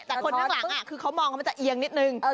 แต่คนข้างหลังคือเขามองแล้วมันจะเอียงนิดนึง